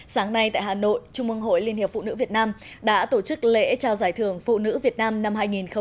sáng nay tại hà nội trung mương hội liên hiệp phụ nữ việt nam đã tổ chức lễ trao giải thưởng phụ nữ việt nam năm hai nghìn một mươi chín